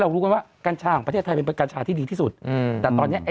เรารู้ว่ากัญชาของประเทศไทยเป็นกัญชาที่ดีที่สุดแต่ตอนนี้ไอ้